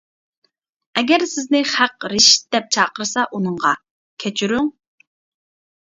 ئەگەر سىزنى خەق رىشىت دەپ چاقىرسا ئۇنىڭغا : كەچۈرۈڭ.